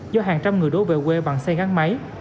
do hàng trăm người đổ về quê bằng xe gắn máy